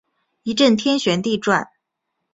一阵天旋地转